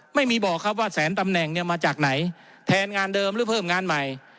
ไม่มีบอกครับว่าแสนตำแหน่งเนี่ยมาจากไหนแทนงานเดิมหรือเพิ่มงานใหม่